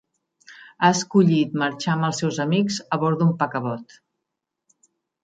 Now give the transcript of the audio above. Ha escollit marxar amb els seus amics a bord d'un paquebot.